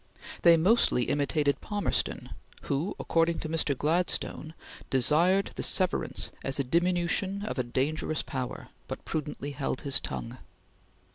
They mostly imitated Palmerston who, according to Mr. Gladstone, "desired the severance as a diminution of a dangerous power, but prudently held his tongue."